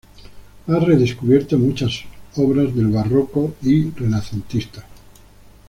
Ha redescubierto muchas obras barroco y renacentista.